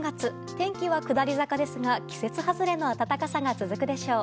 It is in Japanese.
天気は下り坂ですが季節外れの暖かさが続くでしょう。